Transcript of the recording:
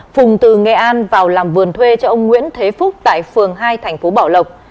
phùng từ nghệ an vào làm vườn thuê cho ông nguyễn thế phúc tại phường hai thành phố bảo lộc